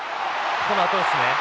このあとですね。